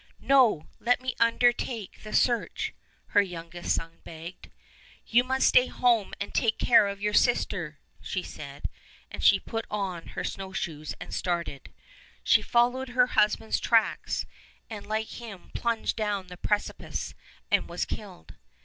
"No, let me undertake the search," her youngest son begged. "You must stay at home and take care of your sister," she said, and she put on her snowshoes and started. She followed her husband's tracks, and like him plunged down the precipice and was killed.